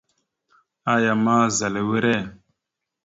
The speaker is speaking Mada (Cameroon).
Aya ma, zal a wire.